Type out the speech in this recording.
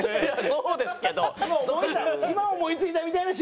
そうですけど。